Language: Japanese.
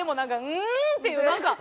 うーん！っていうなんか。